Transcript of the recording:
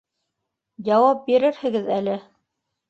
Яуап бирерһегеҙ әле